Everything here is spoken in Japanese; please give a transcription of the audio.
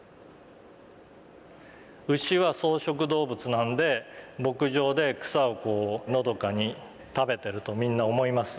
牛は草食動物なんで牧場で草をこうのどかに食べてるとみんな思いますよね。